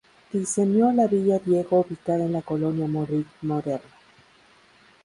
Diseñó la "Villa Diego" ubicada en la colonia Madrid Moderno.